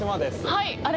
はい。